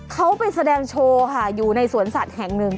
เขาไปแสดงโชว์ค่ะอยู่ในสวนสัตว์แห่งหนึ่ง